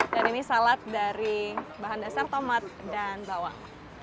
dan ini salad dari bahan dasar tomat dan bawang